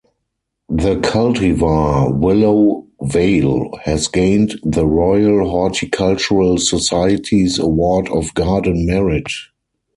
The cultivar 'Willow Vale' has gained the Royal Horticultural Society's Award of Garden Merit.